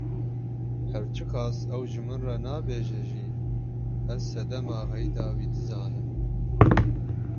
Her çi qas ew ji min re nabêje jî, ez sedema xeyda wî dizanim.